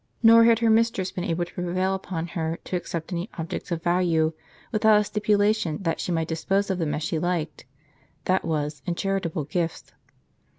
ISTor had her mistress been able to prevail upon her to accept any objects of value, without a stipulation that she might dispose of them as she liked, that was in charitable gifts.